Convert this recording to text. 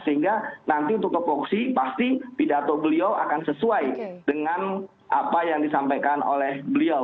sehingga nanti untuk topoksi pasti pidato beliau akan sesuai dengan apa yang disampaikan oleh beliau